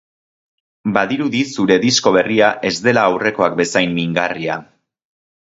Badirudi zure disko berria ez dela aurrekoak bezain mingarria.